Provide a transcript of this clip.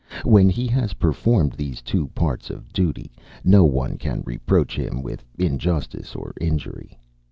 When he has performed these two parts of duty, no one can reproach him with injustice or injury.